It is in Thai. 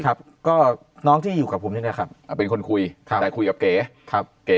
ครับก็น้องที่อยู่กับผมนะครับเป็นคนคุยแต่คุยกับเก๋เก๋